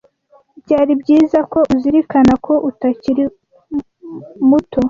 Byari byiza ko uzirikana ko utakiri muto.